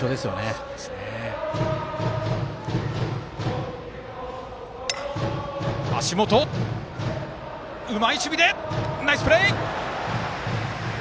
セカンド、うまい守備でナイスプレー！